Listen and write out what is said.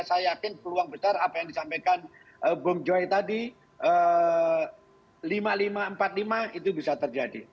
saya yakin peluang besar apa yang disampaikan bung joy tadi lima puluh lima empat puluh lima itu bisa terjadi